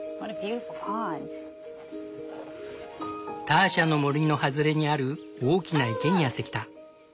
ターシャの森の外れにある大きな池にやって来た。